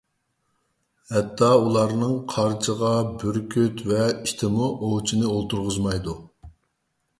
ھەتتا ئۇلارنىڭ قارچىغا، بۈركۈت ۋە ئىتىمۇ ئوۋچىنى ئولتۇرغۇزمايدۇ.